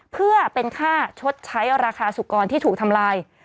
เพื่อเป็นค่าชดใช้ราคาสุกรที่ถูกทำลาย